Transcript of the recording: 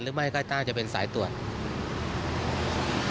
หรือไม่ใกล้จะเป็นสายตรวจ